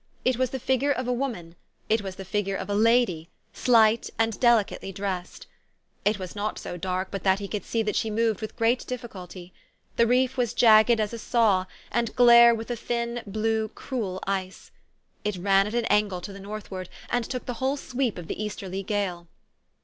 It was the figure of a woman it was the figure of a lady, slight and delicately dressed. 78 THE STORY OF AVIS. It was not so dark but that lie could see that she moved with great difficulty. The reef was jagged as a saw, and glare with the thin, blue, cruel ice. It ran at an angle to the northward, and took the whole sweep of the easterly gale.